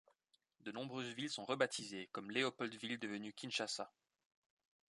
De nombreuses villes sont rebaptisées, comme Léopoldville devenue Kinshasa.